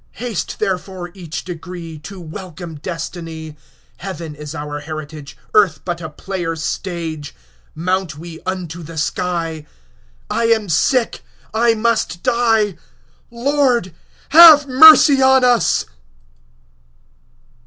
35 Haste therefore each degree To welcome destiny; Heaven is our heritage, Earth but a player's stage. Mount we unto the sky; 40 I am sick, I must die— Lord, have mercy on us!